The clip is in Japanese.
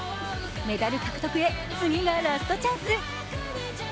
メダル獲得へ次がラストチャンス。